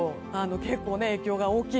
結構影響が大きい。